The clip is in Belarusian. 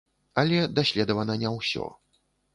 Але даследавана не ўсё.